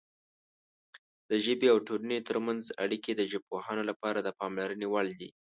د ژبې او ټولنې ترمنځ اړیکې د ژبپوهانو لپاره د پاملرنې وړ دي.